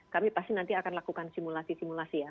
kami pasti nanti akan lakukan simulasi simulasi ya